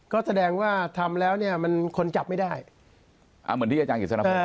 ก็แสดงว่าทำแล้วเนี่ยมันคนจับไม่ได้อ่าเหมือนที่อาจารย์กิจสนพร